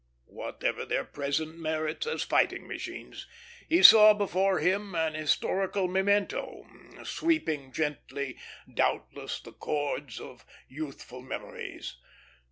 Whatever their present merits as fighting machines, he saw before him an historical memento, sweeping gently, doubtless, the chords of youthful memories.